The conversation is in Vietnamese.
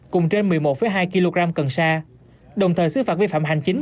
cùng trên một mươi một hai kg cần sa đồng thời xứ phạt vi phạm hành chính